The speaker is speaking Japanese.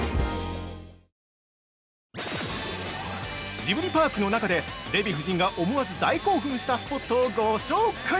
◆ジブリパークの中でデヴィ夫人が思わず大興奮したスポットをご紹介。